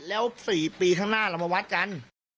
แล้ว๔ปีข้างหน้าเรามาวัดกัน